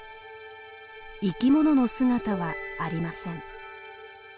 生き物の姿はありません。